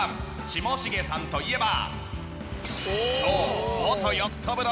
下重さんといえば。